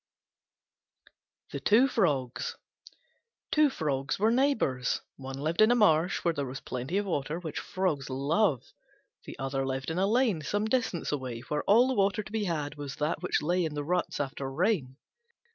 THE TWO FROGS Two Frogs were neighbours. One lived in a marsh, where there was plenty of water, which frogs love: the other in a lane some distance away, where all the water to be had was that which lay in the ruts after rain.